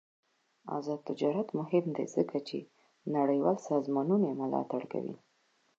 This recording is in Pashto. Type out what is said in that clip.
آزاد تجارت مهم دی ځکه چې نړیوال سازمانونه ملاتړ کوي.